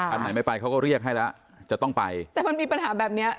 อันไหนไม่ไปเขาก็เรียกให้แล้วจะต้องไปแต่มันมีปัญหาแบบเนี้ย